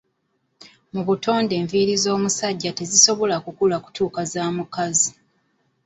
Mu butonde enviiri ez'omusajja tezisobola kukula kutuuka za mukazi.